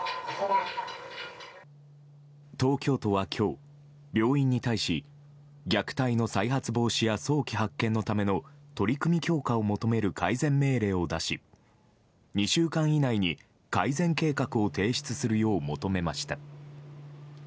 東京都は今日、病院に対し虐待の再発防止や早期発見のための取り組み強化を求める改善命令を出し２週間以内に、改善計画を提出するよう求めました。